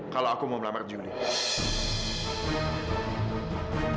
kalau aku mau melamar juni